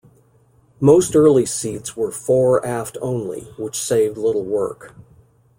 Most early seats were fore-aft only, which saved little work.